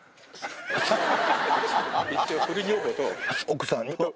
奥さんと。